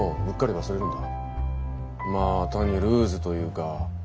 まあ単にルーズというか。